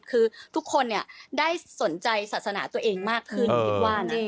คือทุกคนได้สนใจศาสนาตัวเองมากขึ้น